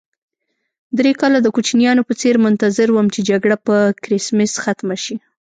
درې کاله د کوچنیانو په څېر منتظر وم چې جګړه په کرېسمس ختمه شي.